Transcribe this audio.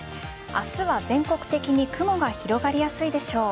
明日は全国的に雲が広がりやすいでしょう。